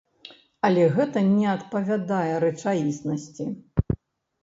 Але гэта не адпавядае рэчаіснасці!